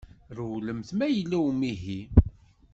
Rewlemt ma yella umihi.